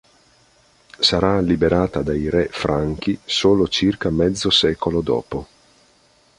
Sarà liberata dai re Franchi solo circa mezzo secolo dopo.